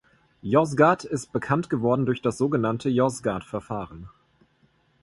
Yozgat ist bekannt geworden durch das sogenannte "Yozgat-Verfahren".